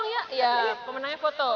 ya pemenangnya foto